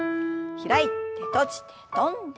開いて閉じて跳んで。